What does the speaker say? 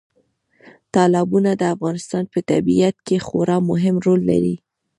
تالابونه د افغانستان په طبیعت کې خورا مهم رول لري.